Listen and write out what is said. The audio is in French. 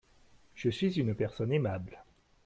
Je suis une personne aimable.